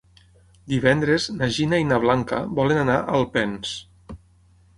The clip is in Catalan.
Divendres na Gina i na Blanca volen anar a Alpens.